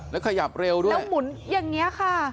แล้วขยับเร็วด้วยแล้วหมุนอย่างนี้ค่ะ